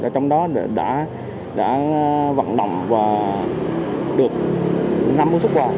trong đó đã vận động và được năm sức quà